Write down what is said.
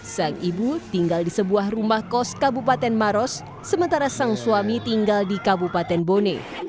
sang ibu tinggal di sebuah rumah kos kabupaten maros sementara sang suami tinggal di kabupaten bone